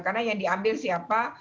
karena yang diambil siapa